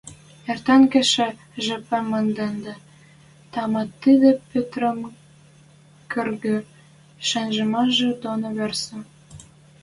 эртен кешӹ жепӹм мондыде, тама, тӹдӹ Петрӹм кӧргӹ шанымашыжы доно вырса